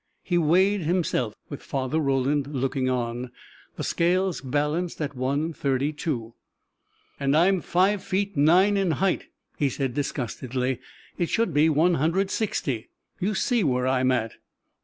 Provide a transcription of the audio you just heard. He weighed himself, with Father Roland looking on. The scales balanced at 132. "And I'm five feet nine in height," he said, disgustedly; "it should be 160. You see where I'm at!"